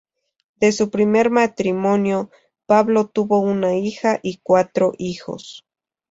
De su primer matrimonio, Pablo tuvo una hija y cuatro hijos.